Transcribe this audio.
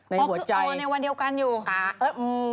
บอมคืออ๋อในวันเดียวกันอยู่